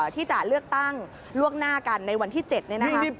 ที่จะเลือกตั้งล่วงหน้ากันในวันที่๗เนี่ยนะคะ